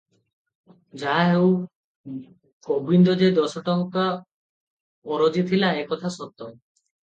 ଯାହାହେଉ, ଗୋବିନ୍ଦ ଯେ ଦଶଟଙ୍କା ଅରଜିଥିଲା, ଏ କଥା ସତ ।